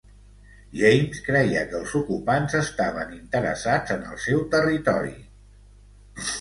James creia que els ocupants estaven interessats en el seu territori.